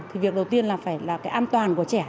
thì việc đầu tiên là phải là cái an toàn của trẻ